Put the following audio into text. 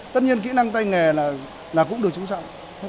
tất nhiên kỹ năng tay nghề là cũng được truyền thông